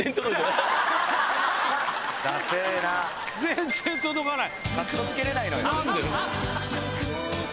全然届かない。